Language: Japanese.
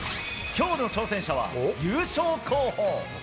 きょうの挑戦者は、優勝候補。